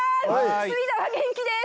隅田は元気です